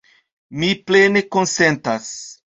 Mi plene konsentas!